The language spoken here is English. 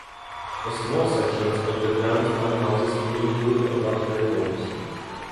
A small section of the grounds now houses a new group of luxury homes.